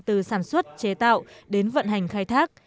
từ sản xuất chế tạo đến vận hành khai thác